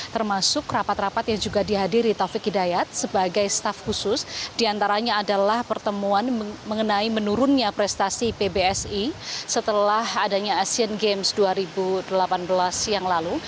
termasuk rapat rapat yang juga dihadiri taufik hidayat sebagai staff khusus diantaranya adalah pertemuan mengenai menurunnya prestasi pbsi setelah adanya asian games dua ribu delapan belas yang lalu